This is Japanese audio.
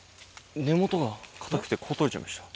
根元が硬くてここ取れちゃいました。